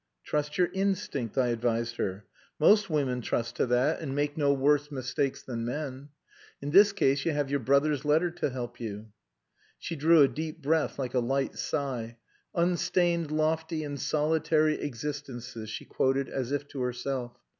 "Trust your instinct," I advised her. "Most women trust to that, and make no worse mistakes than men. In this case you have your brother's letter to help you." She drew a deep breath like a light sigh. "Unstained, lofty, and solitary existences," she quoted as if to herself.